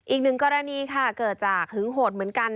อีกหนึ่งกรณีค่ะเกิดจากหึงโหดเหมือนกัน